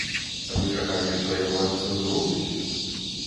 Вы чакалі, што яго адцэнзуруюць?